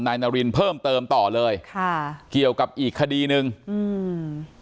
นายนารินเพิ่มเติมต่อเลยค่ะเกี่ยวกับอีกคดีหนึ่งอืม